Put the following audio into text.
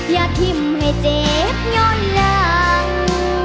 อย่าทิ่มให้เจ็บย้อนหลัง